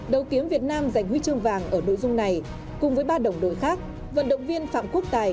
đầu tiếng việt nam giành huy chương vàng ở nội dung này cùng với ba đồng đội khác vận động viên phạm quốc tài